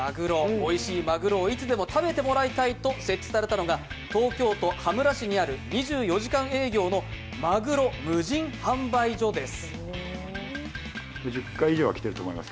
おいしいマグロをいつでも食べてもらいたいと設置されたのが、東京都羽村市にある、２４時間営業のマグロ無人販売所です。